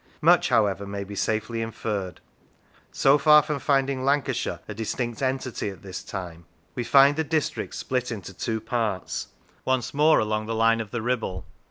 Much, however, may be safely inferred. So far from finding Lancashire a distinct entity at this time, we 58 How It Came into Being find the district split into two parts, once more along the line of the Kibble.